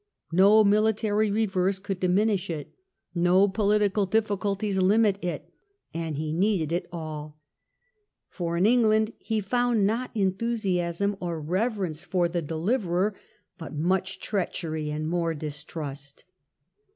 No military reverse could diminish it, no political difficulties limit it. And he needed it all. For in England he found not enthusiasm or reverence for lOO WILLIAM'S DIFFICULTIES. the deliverer, but much treachery and more distrust.